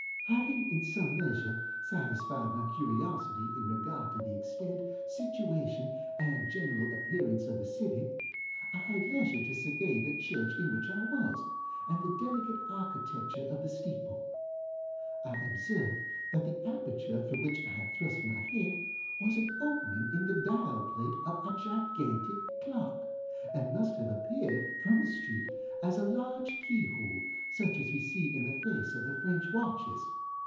Having, in some measure, satisfied my curiosity in regard to the extent, situation, and general appearance of the city, I had leisure to survey the church in which I was, and the delicate architecture of the steeple. I observed that the aperture through which I had thrust my head was an opening in the dial plate of a gigantic clock, and must have appeared, from the street, as a large key hole, such as we see in the face of the French watches.